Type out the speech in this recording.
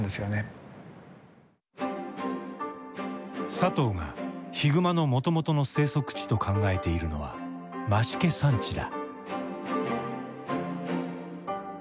佐藤がヒグマのもともとの生息地と考えているのは増毛山地だ。